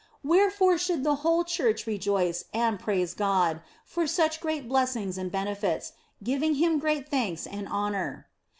Wherefore should the whole church rejoice and praise God for such great blessings and benefits, giving Him great thanks and honour.